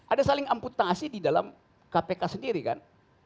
ada saling amputasi di dalam kpk sendiri kan